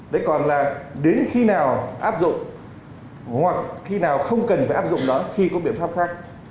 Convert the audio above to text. đấy còn là đến khi nào áp dụng hoặc khi nào không cần phải áp dụng đó khi có biện pháp khác